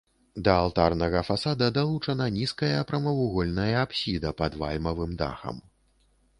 Да алтарнага фасада далучана нізкая прамавугольная апсіда пад вальмавым дахам.